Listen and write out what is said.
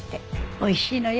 おいしいのよ